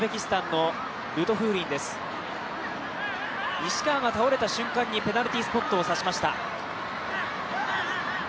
西川が倒れた瞬間にペナルティースポットを指しました。